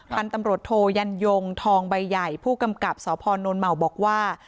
พันธมโรโถยันยงทองใบใหญ่ผู้กำกับสนนท์เหมาบอกว่า